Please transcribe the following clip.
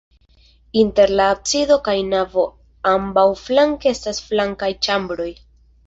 Inter la absido kaj navo ambaŭflanke estas flankaj ĉambroj.